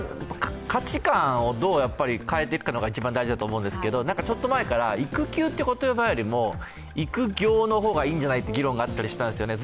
価値観をどう変えていくかが大事だと思うんですけど、ちょっと前から育休という言葉よりも育業の方がいいんじゃないという議論があったりしたんですよね。